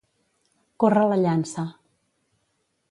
Córrer la llança.